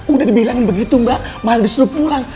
udah dibilangin begitu mbak malah disuruh pulang